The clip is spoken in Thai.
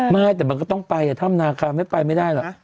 ไม่แต่มันก็ต้องไปถ้ำนาคาไม่ไปไม่ได้หรอก